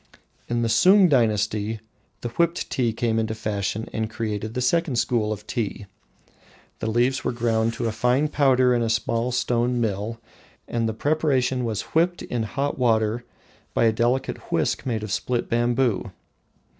In the Sung dynasty the whipped tea came into fashion and created the second school of Tea. The leaves were ground to fine powder in a small stone mill, and the preparation was whipped in hot water by a delicate whisk made of split bamboo.